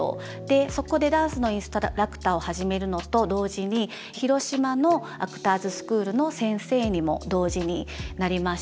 そこでダンスのインストラクターを始めるのと同時に広島のアクターズスクールの先生にも同時になりました。